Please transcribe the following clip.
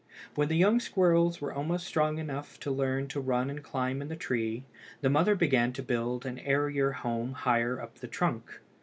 When the young squirrels were almost strong enough to learn to run and climb in the tree, the mother began to build an airier home higher up the trunk.